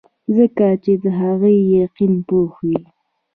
ځکه چې د هغه يقين پوخ وي -